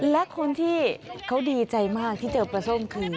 และคนที่เขาดีใจมากที่เจอปลาส้มคือ